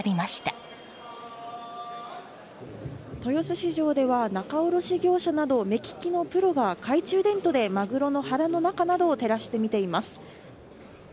市場では仲卸業者など目利きのプロが懐中電灯でマグロの腹の中などを照らして見ています。